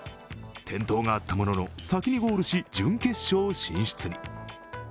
転倒があったものの、先にゴールし準決勝進出に。